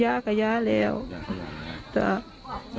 อยากอะไรห้ะยากค่ะยาละว